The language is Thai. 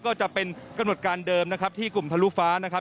ก็จะเป็นกำหนดการเดิมนะครับที่กลุ่มทะลุฟ้านะครับ